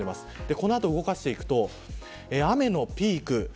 この後、動かしていくと雨のピーク